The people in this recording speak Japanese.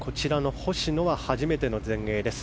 星野は初めての全英です。